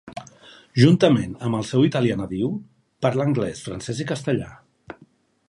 Juntament amb el seu italià nadiu, parla anglès, francès i castellà.